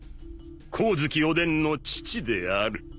光月おでんの父である。